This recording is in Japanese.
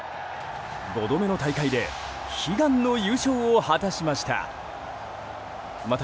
５度目の大会で悲願の優勝を果たしました。